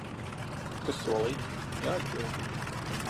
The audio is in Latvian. Kas solīts, jāizpilda!